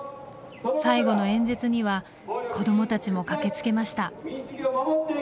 最後の演説には子どもたちも駆けつけました。